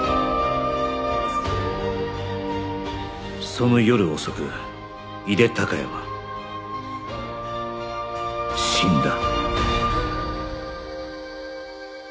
その夜遅く井手孝也は死んだ